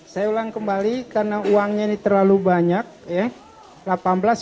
saya ulang kembali karena uangnya ini terlalu banyak ya